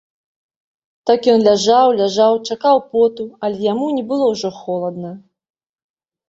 Так ён ляжаў, ляжаў, чакаў поту, але яму не было ўжо холадна.